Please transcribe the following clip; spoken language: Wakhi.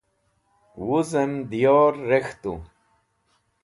wuzem diyor rek̃htu